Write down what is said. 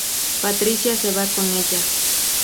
Patricia se va con ella.